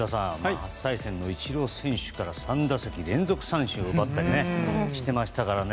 初対戦のイチロー選手から３打席連続三振を奪ったりしていましたからね。